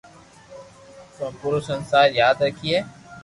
ڪو پورو سنسار ياد رکئي